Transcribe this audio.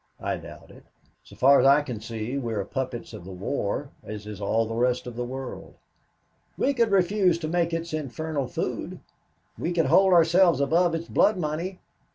"I doubt it. So far as I can see, we are puppets of the war as is all the rest of the world." "We could refuse to make its infernal food. We could hold ourselves above its blood money.